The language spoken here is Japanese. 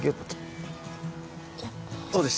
そうです。